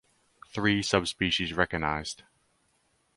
Three subspecies recognized.